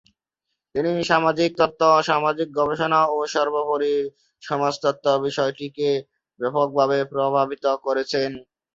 তিনি সামাজিক তত্ত্ব, সামাজিক গবেষণা ও সর্বোপরি সমাজতত্ত্ব বিষয়টিকে ব্যাপকভাবে প্রভাবিত করেছেন।